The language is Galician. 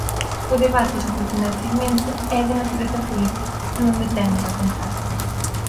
O debate sobre o financiamento é de natureza política non de técnica contábel.